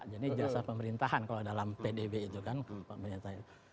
jadi jasa pemerintahan kalau dalam pdb itu kan pak pemerintahan itu